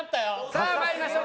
さあまいりましょう。